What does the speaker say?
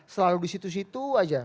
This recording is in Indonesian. selalu di situ situ aja